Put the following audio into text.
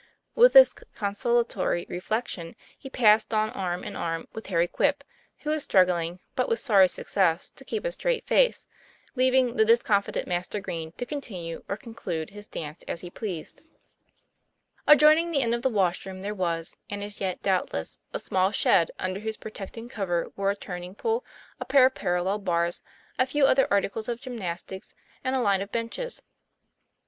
With this consolatory reflection he passed on arm in arm with Harry Quip, who was struggling, but with sorry success, to keep a straight face, leaving the discomfited Master Green to continue or conclude his dance as he pleased 4 50 TOM PLAYFAIR. Adjoining the end of the wash room there was and is yet, doubtless a small shed, under whose protecting cover were a turning pole, a pair of par allel bars, a few other articles of gymnastics, and a line of benches.